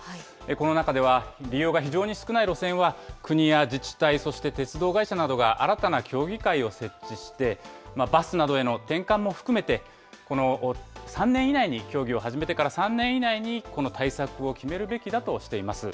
この中では、利用が非常に少ない路線は、国や自治体、そして鉄道会社などが新たな協議会を設置して、バスなどへの転換も含めて、３年以内に、協議を始めてから、３年以内に、この対策を決めるべきだとしています。